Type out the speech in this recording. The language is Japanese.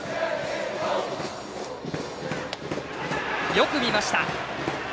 よく見ました。